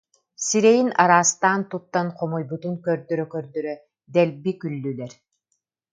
сирэйин араастаан туттан хомойбутун көрдөрө-көрдөрө дэлби күллүлэр